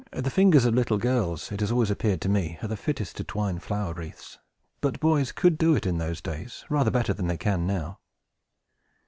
The fingers of little girls, it has always appeared to me, are the fittest to twine flower wreaths; but boys could do it, in those days, rather better than they can now.